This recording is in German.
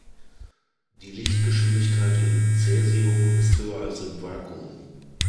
Die Lichtgeschwindigkeit in Cäsium ist höher als im Vakuum.